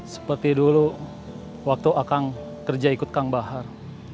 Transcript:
seperti dulu waktu akang kerja ikut kang bahar